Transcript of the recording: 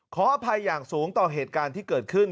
ขออภัยอย่างสูงต่อเหตุการณ์ที่เกิดขึ้น